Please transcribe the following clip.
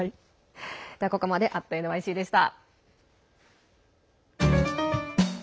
ここまで「＠ｎｙｃ」でした。